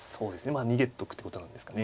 まあ逃げとくってことなんですかね。